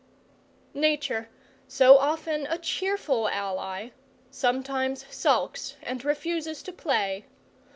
Nature, so often a cheerful ally, sometimes sulks and refuses to play.